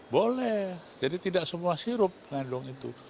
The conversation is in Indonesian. boleh jadi tidak semua sirup mengandung itu